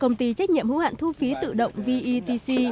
công ty trách nhiệm hữu hạn thu phí tự động vetc